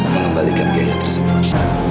mengembalikan biaya tersebut